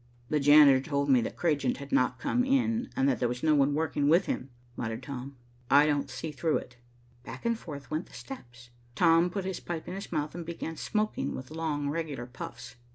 "The janitor told me that Cragent had not come in, and that there was no one working with him," muttered Tom. "I don't see through it." Back and forth went the steps. Tom put his pipe in his mouth and began smoking with long regular puffs.